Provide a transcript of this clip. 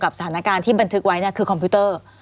สถานการณ์ที่บันทึกไว้คือคอมพิวเตอร์